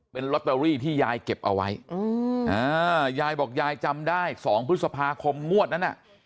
เป็นลอตเตอรี่ที่ยายเก็บเอาไว้ยายบอกยายจำได้๒พฤษภาคมงวดนั้นน่ะ